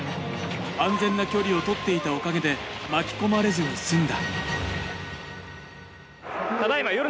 安全な距離をとっていたおかげで巻き込まれずに済んだ。